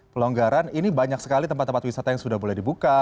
pelonggaran ini banyak sekali tempat tempat wisata yang sudah boleh dibuka